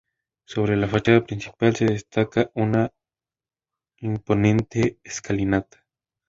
Sobre la fachada principal se destaca una imponente escalinata.